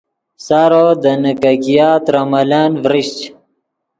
سارو دے نیکګیا ترے ملن ڤرشچ